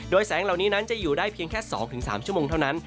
แสงเหล่านี้นั้นจะอยู่ได้เพียงแค่๒๓ชั่วโมงเท่านั้น